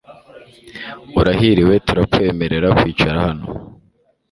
Urahiriwe turakwemerera kwicara hano .